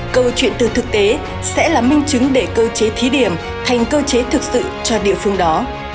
câu chuyện từ thực tế sẽ là minh chứng để cơ chế thí điểm thành cơ chế thực sự cho địa phương đó